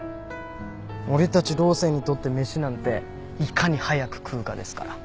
俺たちロー生にとって飯なんていかに早く食うかですから。